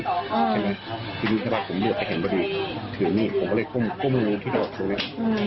ใช่ไหมทีนี้แบบผมเหลือไปเห็นว่าถือมือผมก็เลยก้มมือรู้ที่ตรงนี้